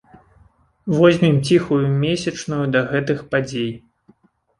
Возьмем ціхую месячную да гэтых падзей.